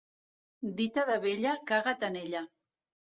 Dita de vella, caga't en ella.